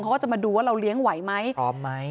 เขาก็จะมาดูว่าเราเลี้ยงไหวไหมพร้อมไหม